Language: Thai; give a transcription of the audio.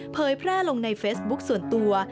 เผยแพร่ลงในเฟซบุ๊คส่วนตัว